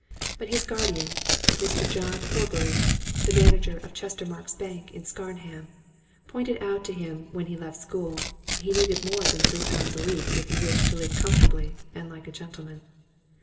But as his guardian, Mr. John Horbury, the manager of Chestermarke's Bank at Scarnham, pointed out to him when he left school, he needed more than three pounds a week if he wished to live comfortably and like a gentleman.